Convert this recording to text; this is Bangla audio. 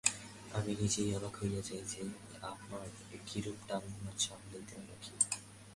আমি নিজেই অবাক হইয়া যাই যে, আমরা কিরূপে টাল সামলাইয়া রাখি।